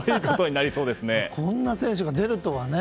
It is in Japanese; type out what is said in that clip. こんな選手が出るとはね。